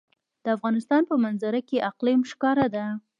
د افغانستان په منظره کې اقلیم ښکاره ده.